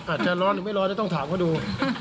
อาจจะร้อนหรือไม่ร้อนจะต้องถามเขาดู